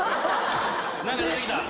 何か出てきた！